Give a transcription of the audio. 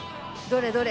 どれ？